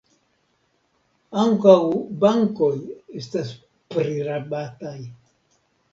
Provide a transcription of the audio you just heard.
Ankaŭ bankoj estas prirabataj.